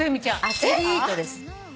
「アスリート」です。